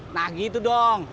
nah gitu dong